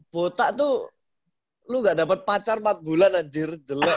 botak tuh lu gak dapat pacar empat bulan anjir jelek